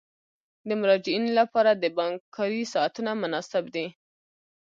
د مراجعینو لپاره د بانک کاري ساعتونه مناسب دي.